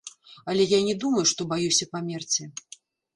Але я не думаю, што баюся памерці.